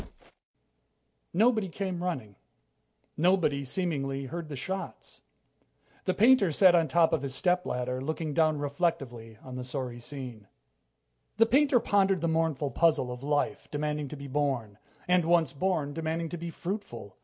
Nobody came running. Nobody, seemingly, heard the shots. The painter sat on the top of his stepladder, looking down reflectively on the sorry scene. The painter pondered the mournful puzzle of life demanding to be born and, once born, demanding to be fruitful